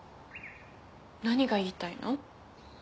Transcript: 何が言いたいの？